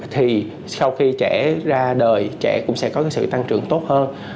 thì sau khi trẻ ra đời trẻ cũng sẽ có sự tăng trưởng tốt hơn